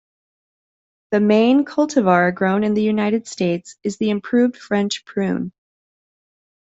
The main cultivar grown in the United States is the Improved French prune.